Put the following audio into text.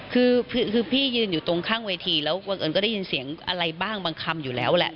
คือพี่ยืนอยู่ตรงข้างเวทีแล้วบังเอิญก็ได้ยินเสียงอะไรบ้างบางคำอยู่แล้วแหละ